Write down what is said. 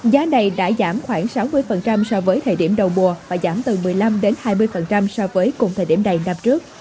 giá này đã giảm khoảng sáu mươi so với thời điểm đầu mùa và giảm từ một mươi năm hai mươi so với cùng thời điểm này năm trước